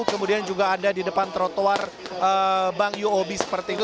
kemudian juga ada di depan trotuar bang yoo obi seperti itu